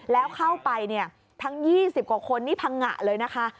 แล้วเข้าไปเนี่ยทั้ง๒๐กว่าคนนี่พังงะเลยนะคะ